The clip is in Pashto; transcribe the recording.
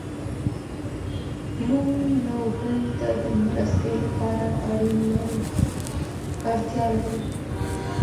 موږ یو بل ته د مرستې لپاره اړتیا لرو.